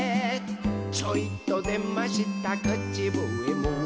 「ちょいとでましたくちぶえも」